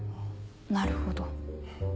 なるほど。